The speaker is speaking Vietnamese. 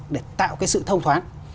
để tạo cái sự thông thoáng